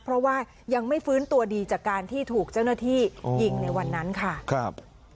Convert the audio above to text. เพราะว่ายังไม่ฟื้นตัวดีจากการที่ถูกเจ้าหน้าที่ยิงในวันนั้นค่ะครับ